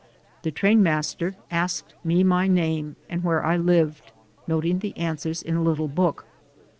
The train master asked me my name and where I lived, noting the answers in a little book.